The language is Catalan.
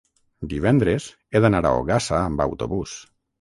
divendres he d'anar a Ogassa amb autobús.